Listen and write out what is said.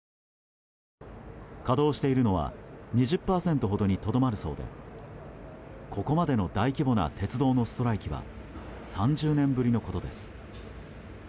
稼働しているのは２０％ほどにとどまるそうでここまでの大規模な鉄道のストライキは３０年ぶりのことです。